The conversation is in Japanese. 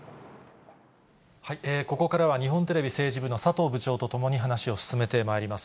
ここからは、日本テレビ政治部の佐藤部長と共に話を進めてまいります。